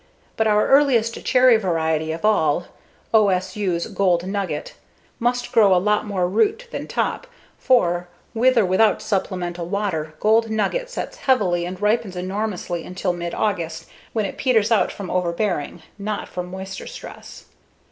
But our earliest cherry variety of all, OSU's Gold Nugget, must grow a lot more root than top, for, with or without supplemental water, Gold Nugget sets heavily and ripens enormously until mid August, when it peters out from overbearing (not from moisture stress).